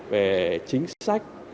về chính sách